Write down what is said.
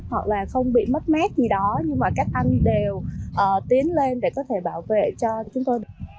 chẳng là không bị mất mét gì đó nhưng mà các anh đều tiến lên để có thể bảo vệ cho chúng ta